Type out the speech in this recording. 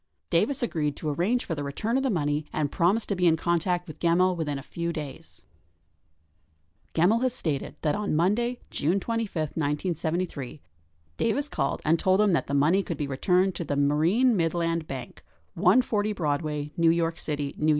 Davis agreed to arrange for the return of the money and promised to be in contact with Gemmill within a few days. 67 Gemmill has stated that on Monday, June 25, 1973, Davis called and told him that the money could be returned to the Marine Midland Bank, 140 Broadway, New York City, N.Y.